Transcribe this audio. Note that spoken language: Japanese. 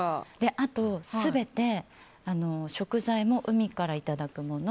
あと全て食材も海からいただくもの